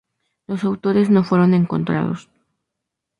Los autores no fueron encontrados.